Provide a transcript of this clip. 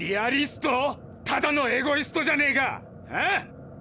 ただのエゴイストじゃねえか！